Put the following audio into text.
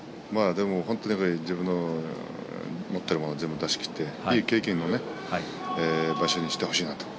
自分の持っているものを出し切っていい経験の場所にしてほしいなと。